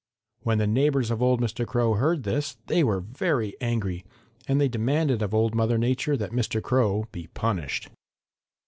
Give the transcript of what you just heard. When the neighbors of old Mr. Crow heard this they were very angry, and they demanded of Old Mother Nature that Mr. Crow be punished.